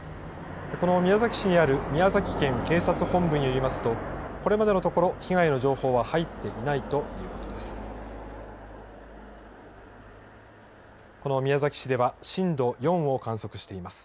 この宮崎市にある宮崎県警察本部によりますと、これまでのところ、被害の情報は入っていないということです。